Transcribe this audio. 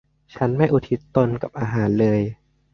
ฉันไม่อุทิศตนกับอาหารเลย